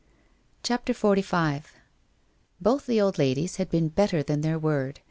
CHAPTER XLV Both the old ladies had been better than their word.